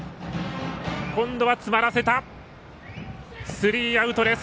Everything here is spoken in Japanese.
スリーアウトです。